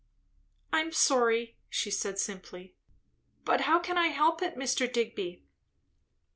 "I am sorry," she said simply. "But how can I help it, Mr. Digby?"